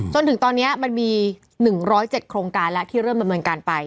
จนถึงตอนนี้มันมี๑๐๗โครงการแล้วที่เริ่มดำเนินการไป